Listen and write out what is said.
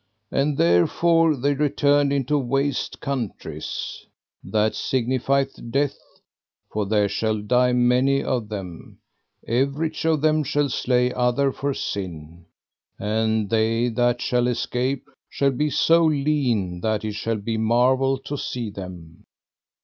And therefore they returned into waste countries, that signifieth death, for there shall die many of them: everych of them shall slay other for sin, and they that shall escape shall be so lean that it shall be marvel to see them.